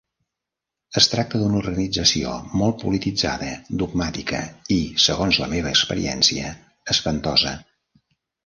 Es tracta d'una organització molt polititzada, dogmàtica i, segons la meva experiència, espantosa.